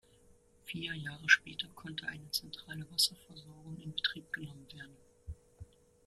Vier Jahre später konnte eine zentrale Wasserversorgung in Betrieb genommen werden.